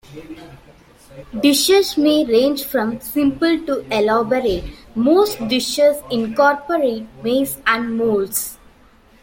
Dishes may range from simple to elaborate; most dishes incorporate maize and moles.